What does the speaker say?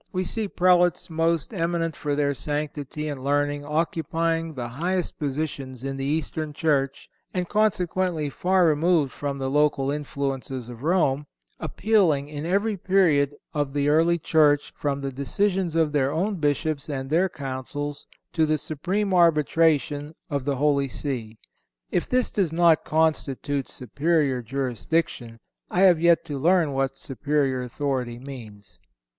We see Prelates most eminent for their sanctity and learning occupying the highest position in the Eastern Church, and consequently far removed from the local influences of Rome, appealing in every period of the early Church from the decisions of their own Bishops and their Councils to the supreme arbitration of the Holy See. If this does not constitute superior jurisdiction, I have yet to learn what superior authority means.